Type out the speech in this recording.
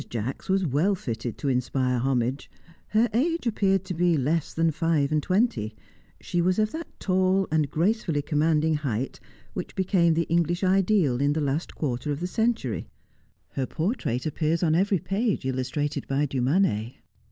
Jacks was well fitted to inspire homage. Her age appeared to be less than five and twenty; she was of that tall and gracefully commanding height which became the English ideal in the last quarter of the century her portrait appears on every page illustrated by Du Manner.